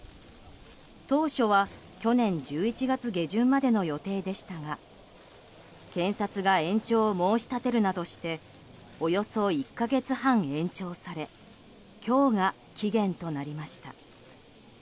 当初は、去年１１月下旬までの予定でしたが検察が延長を申し立てるなどしておよそ１か月半、延長され今日が期限となりました。